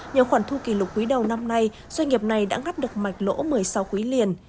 nhờ khoản thu kỷ lục quý đầu năm nay doanh nghiệp này đã ngắt được mạch lỗ một mươi sáu quý liền